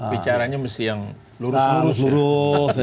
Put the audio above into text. bicaranya mesti yang lurus lurus lurus